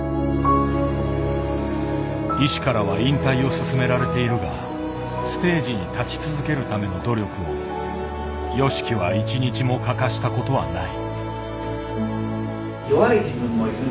医師からは引退を勧められているがステージに立ち続けるための努力をＹＯＳＨＩＫＩは一日も欠かしたことはない。